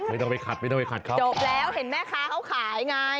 ไม่ต้องไปขัดเขาขายไง